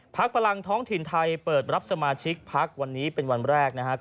พลังท้องถิ่นไทยเปิดรับสมาชิกพักวันนี้เป็นวันแรกนะครับ